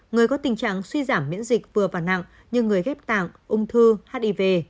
người có tình trạng suy giảm miễn dịch vừa và nặng như người ghép tạng ung thư hiv